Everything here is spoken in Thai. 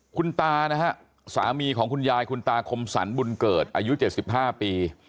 คุณตานะฮะสามีของคุณยายคุณตาคมสรรบุญเกิดอายุ๗๕ปี